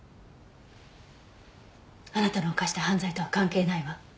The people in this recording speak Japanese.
あなたの犯した犯罪とは関係ないわ。